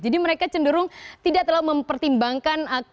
jadi mereka cenderung tidak terlalu mempertimbangkan